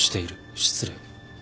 失礼。